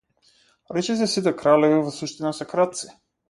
Речиси сите кралеви во суштина се крадци.